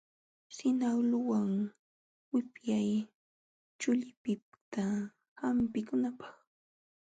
Sinawluwan wipyay chullipiqta hampikunanpaq.